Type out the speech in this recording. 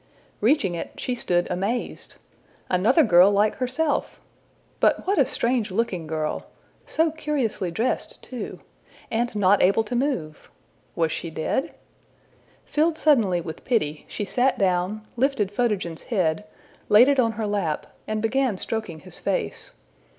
Reaching it, she stood amazed. Another girl like herself! But what a strange looking girl! so curiously dressed too! and not able to move! Was she dead? Filled suddenly with pity, she sat down, lifted Photogen's head, laid it on her lap, and began stroking his face.